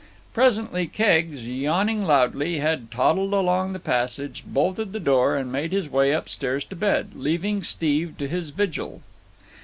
Presently Keggs, yawning loudly, had toddled along the passage, bolted the door, and made his way upstairs to bed, leaving Steve to his vigil.